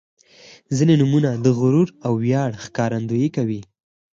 • ځینې نومونه د غرور او ویاړ ښکارندويي کوي.